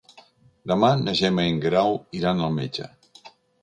Demà na Gemma i en Guerau iran al metge.